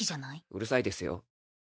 うるさいですよ。